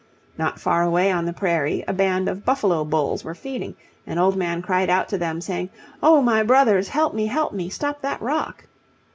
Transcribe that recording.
Not far away on the prairie a band of buffalo bulls were feeding, and Old Man cried out to them, saying, "Oh, my brothers, help me, help me; stop that rock."